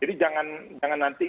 jadi jangan jangan nanti